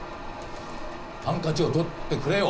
ハンカチを取ってくれよ！